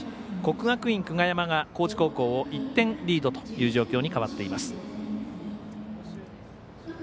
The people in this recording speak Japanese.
国学院久我山が高知高校を１点リードという状況に変わっています。